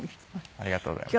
ありがとうございます。